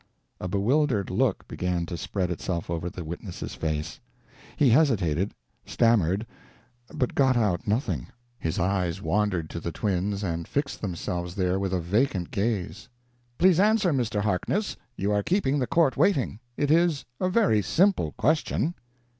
A bewildered look began to spread itself over the witness's face. He hesitated, stammered, but got out nothing. His eyes wandered to the twins and fixed themselves there with a vacant gaze. "Please answer, Mr. Harkness, you are keeping the court waiting. It is a very simple question."